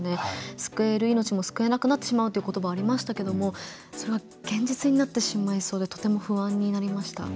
救える命も救えなくなってしまうということばがありましたけどそれが現実になってしまいそうでとても不安になりました。